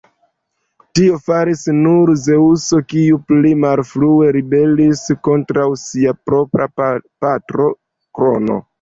Tion faris nur Zeŭso, kiu pli malfrue ribelis kontraŭ sia propra patro, Krono.